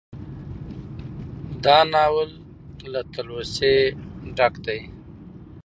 دا ناول له تلوسې څخه ډک دى